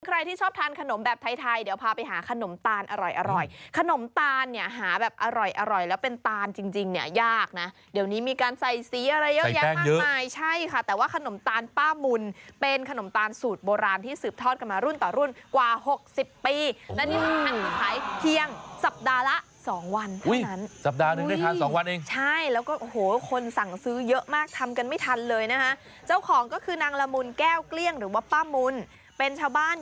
ใครที่ชอบทานขนมแบบไทยไทยเดี๋ยวพาไปหาขนมตาลอร่อยอร่อยขนมตาลเนี่ยหาแบบอร่อยอร่อยแล้วเป็นตาลจริงจริงเนี่ยยากนะเดี๋ยวนี้มีการใส่สีอะไรเยอะแยะมากมายใช่ค่ะแต่ว่าขนมตาลป้ามุนเป็นขนมตาลสูตรโบราณที่สืบทอดกันมารุ่นต่อรุ่นกว่าหกสิบปีและนี่มันทานสุดท้ายเพียงสัปดาห์ละส